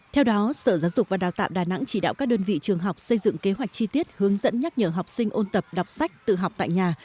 theo đó sở giáo dục và đào tạo đà nẵng chỉ đạo các đơn vị trường học xây dựng kế hoạch chi tiết hướng dẫn nhắc nhở học sinh ôn tập đọc sách tự học tại nhà